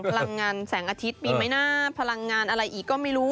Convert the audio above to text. พลังงานแสงอาทิตย์มีไหมนะพลังงานอะไรอีกก็ไม่รู้